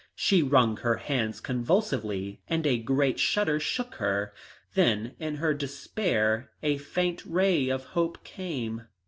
She wrung her hands convulsively and a great shudder shook her. Then in her despair a faint ray of hope came.